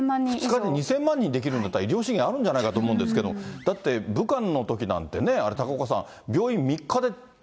２日で２０００万人できるんだったら、医療資源あるんじゃないかと思うんですけど、だって武漢のときなんてね、高岡さん、病